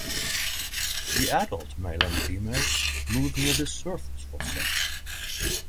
The adult male and female move near the surface for sex.